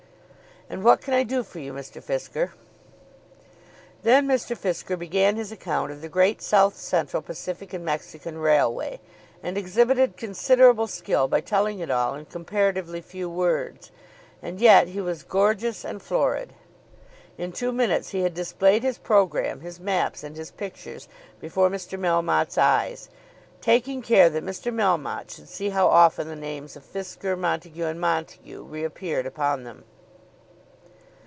"And what can I do for you, Mr. Fisker?" Then Mr. Fisker began his account of the Great South Central Pacific and Mexican Railway, and exhibited considerable skill by telling it all in comparatively few words. And yet he was gorgeous and florid. In two minutes he had displayed his programme, his maps, and his pictures before Mr. Melmotte's eyes, taking care that Mr. Melmotte should see how often the names of Fisker, Montague, and Montague, reappeared upon them.